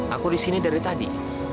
aku disini dari tadi